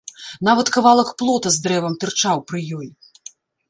Нават кавалак плота з дрэвам тырчаў пры ёй.